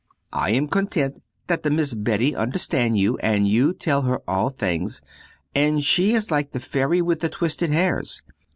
I am content that the Miss Betty understand you and you tell her all things, and she is like the ferry with the twisted hairs.